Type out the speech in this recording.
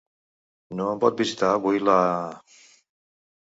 No em pot visitar avui la.?